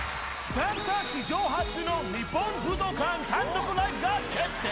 ダンサー史上初の日本武道館単独ライブが決定。